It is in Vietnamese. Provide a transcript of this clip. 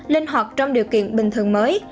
linh hoạt trong điều kiện bình thường mới